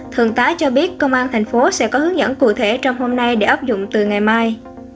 thượng tá cho biết công an thành phố sẽ có hướng dẫn cụ thể trong hôm nay để áp dụng từ ngày mai